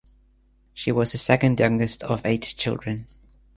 She was the second youngest of eight children.